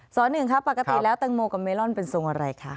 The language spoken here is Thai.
หนึ่งครับปกติแล้วแตงโมกับเมลอนเป็นทรงอะไรคะ